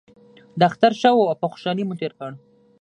دا اختر ښه و او په خوشحالۍ مو تیر کړ